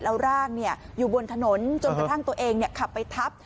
แล้วร่างอยู่บนถนนจนกระทั่งตัวเองขับไปทับ